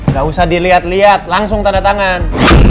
gak usah dilihat lihat langsung tanda tangan